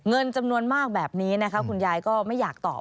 เงินจำนวนมากแบบนี้นะคะคุณยายก็ไม่อยากตอบ